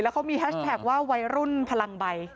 เขามีแฮชแท็กว่าวัยรุ่นพลังใบ